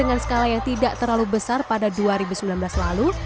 dengan skala yang tidak terlalu besar pada dua ribu sembilan belas lalu